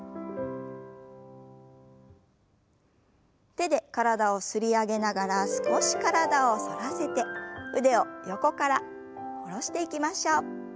手で体を擦り上げながら少し体を反らせて腕を横から下ろしていきましょう。